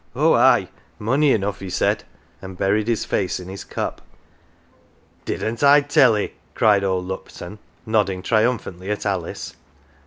" Oh, aye ! money enough !" he said, and buried his face in his cup. " Didn't I tell'ee ?" cried old Lupton, nodding triumphantly at Alice.